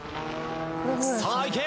さあいけ！